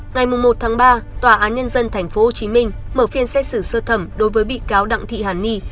ngày một ba tòa án nhân dân tp hcm mở phiên xét xử sơ thẩm đối với bị cáo đặng thị hàn ni